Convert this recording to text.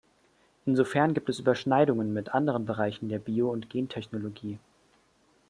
Insofern gibt es Überschneidungen mit anderen Bereichen der Bio- und Gentechnologie.